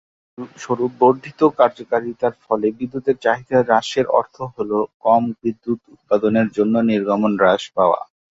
উদাহরণস্বরূপ, বর্ধিত কার্যকারিতার ফলে বিদ্যুতের চাহিদা হ্রাসের অর্থ হলো কম বিদ্যুৎ উৎপাদনের জন্য নির্গমন হ্রাস পাওয়া।